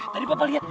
tadi papa lihat